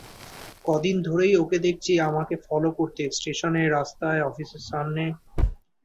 কদিন ধরেই ওকে দেখছি আমাকে ফলো করতে স্টেশনে, রাস্তায়, অফিসের সামনে